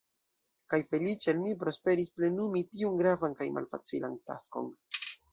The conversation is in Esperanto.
Kaj feliĉe al mi prosperis plenumi tiun gravan kaj malfacilan taskon.